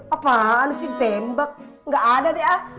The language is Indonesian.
apaan sih ditembak gak ada deh ah